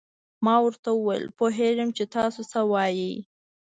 ما ورته وویل: پوهېږم چې تاسو څه وایئ.